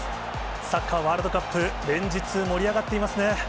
サッカーワールドカップ、連日盛り上がっていますね。